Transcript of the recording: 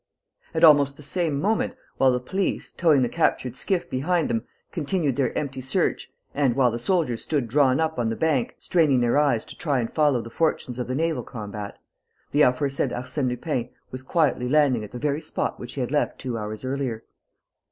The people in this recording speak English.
At almost the same moment, while the police, towing the captured skiff behind them, continued their empty search and while the soldiers stood drawn up on the bank, straining their eyes to try and follow the fortunes of the naval combat, the aforesaid Arsène Lupin was quietly landing at the very spot which he had left two hours earlier.